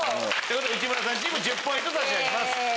内村さんチーム１０ポイント差し上げます。